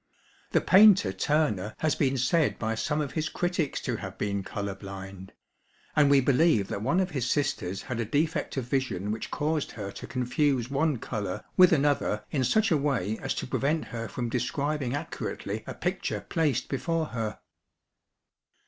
The painter Turner has been said by some of his critics to have been colour blind; and we believe that one of his sisters had a defect of vision which caused her to confuse one colour with another in such a way as to prevent her from describing accurately a picture placed before her.